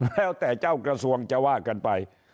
แล้วแต่เจ้ากระทรวงจะว่ากันไป